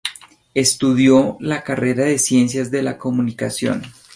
Estudió la carrera de ciencias de la comunicación.